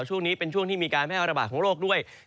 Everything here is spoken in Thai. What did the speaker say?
ช่วงนี้เป็นช่วงที่มีการแพร่ระบาดของโรคด้วย